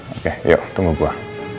oke yuk tunggu gue